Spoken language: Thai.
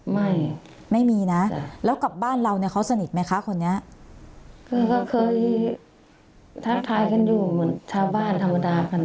ไม่ไม่มีนะแล้วกับบ้านเราเนี่ยเขาสนิทไหมคะคนนี้คือก็เคยทักทายกันอยู่เหมือนชาวบ้านธรรมดากัน